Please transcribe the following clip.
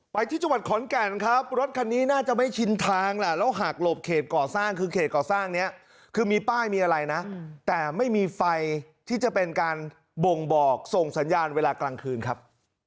ไปที่จังหวัดขอนแก่นครับรถคันนี้น่าจะไม่ชินทางแหละแล้วหากหลบเขตก่อสร้างคือเขตก่อสร้างนี้คือมีป้ายมีอะไรนะแต่ไม่มีไฟที่จะเป็นการบ่งบอกส่งสัญญาณเวลากลางคืนครับ